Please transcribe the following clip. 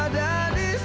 ada di samping bu hira